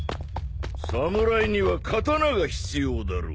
侍には刀が必要だろう。